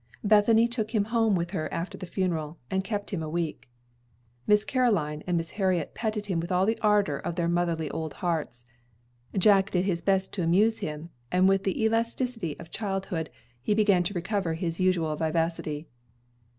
Bethany took him home with her after the funeral, and kept him a week. Miss Caroline and Miss Harriet petted him with all the ardor of their motherly old hearts. Jack did his best to amuse him, and with the elasticity of childhood, he began to recover his usual vivacity.